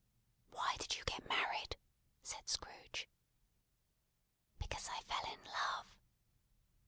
"Why did you get married?" said Scrooge. "Because I fell in love."